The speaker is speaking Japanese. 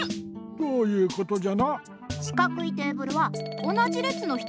どういうことじゃ？